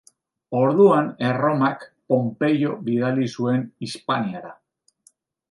Orduan Erromak Ponpeio bidali zuen Hispaniara.